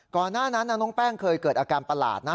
ก่อนหน้านั้นน้องแป้งเคยเกิดอาการประหลาดนะ